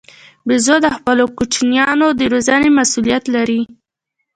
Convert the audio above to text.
بیزو د خپلو کوچنیانو د روزنې مسوولیت لري.